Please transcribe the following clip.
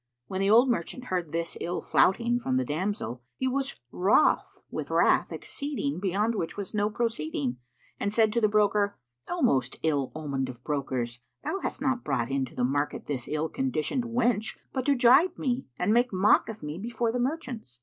'" When the old merchant heard this ill flouting from the damsel, he was wroth with wrath exceeding beyond which was no proceeding and said to the broker, "O most ill omened of brokers, thou hast not brought into the market this ill conditioned wench but to gibe me and make mock of me before the merchants."